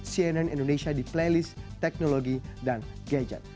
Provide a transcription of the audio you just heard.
cnn indonesia di playlist teknologi dan gadget